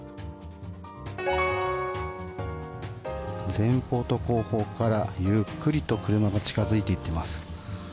前方と後方からゆっくりと車が近づいていってます。